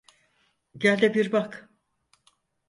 Gel de bir bak.